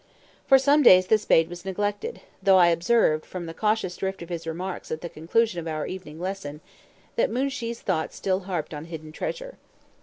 For some days the spade was neglected, though I observed, from the cautious drift of his remarks at the conclusion of our evening lesson, that Moonshee's thoughts still harped on hidden treasure.